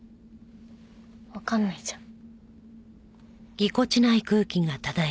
わかんないじゃん。